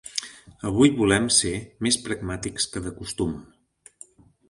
Avui volem ser més pragmàtics que de costum.